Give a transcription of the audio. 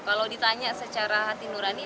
kalau ditanya secara hati nurani